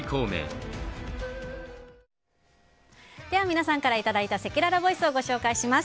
では、皆さんからいただいたせきららボイスをご紹介します。